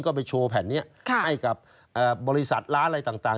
ก็ไปโชว์แผ่นนี้ให้กับบริษัทร้านอะไรต่าง